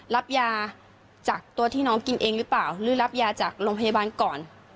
รับยาจากตัวที่น้องกินเองหรือเปล่าหรือรับยาจากโรงพยาบาลก่อน